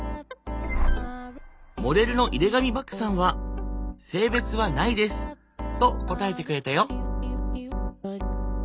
モデルの井手上漠さんは「性別は無いです」と答えてくれたよ。